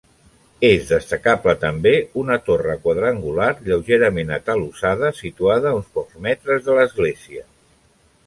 És destacable també una torre quadrangular, lleugerament atalussada, situada a uns pocs metres de l'església.